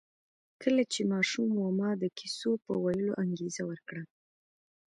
کله چې ماشوم و ما د کیسو په ویلو انګېزه ورکړه